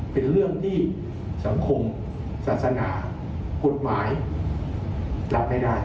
เป็นเรื่องที่สังคมศาสนากฎหมายรับไม่ได้